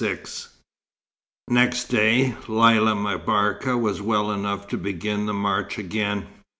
XXVI Next day, Lella M'Barka was well enough to begin the march again.